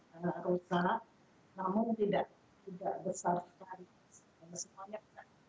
semuanya berhubungan dengan kerusakannya juga tidak parah